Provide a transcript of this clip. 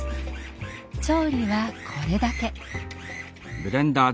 調理はこれだけ。